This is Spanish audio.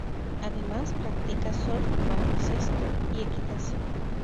Además practica surf, baloncesto y equitación.